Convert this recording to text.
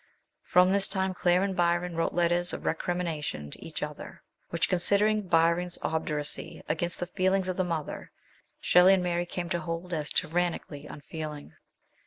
From this time Claire and Byron wrote letters of recrimination to each other, which, considering Byron's obduracy against the feelings of the mother, Shelley and Mary came to hold as tyrannically unfeeling.